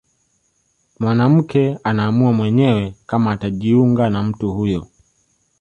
Mwanamke anaamua mwenyewe kama atajiunga na mtu huyo